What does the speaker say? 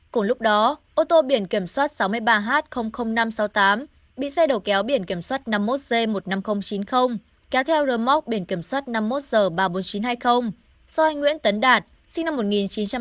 cùng lúc đó ô tô biển kiểm soát sáu mươi ba h năm trăm sáu mươi tám bị xe đầu kéo biển kiểm soát năm mươi một g một mươi năm nghìn chín mươi kéo theo rơ móc biển kiểm soát năm mươi một h ba mươi bốn nghìn chín trăm hai mươi do anh nguyễn tấn đạt sinh năm một nghìn chín trăm tám mươi